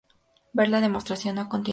Ver la demostración a continuación.